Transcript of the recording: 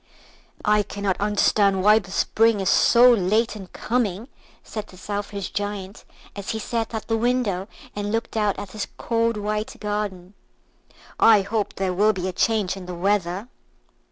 "I cannot understand why the Spring is so late in coming," said the Selfish Giant, as he sat at the window and looked out at his cold white garden; "I hope there will be a change in the weather."